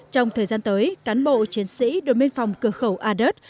trong thời gian tới cán bộ chiến sĩ đồn biên phòng cửa khẩu a đớt